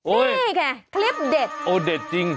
อุ้ยนี่ค่ะคลิปเด็ดโอ้เด็ดจริง